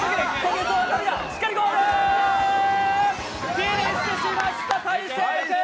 フィニッシュしました、大晴君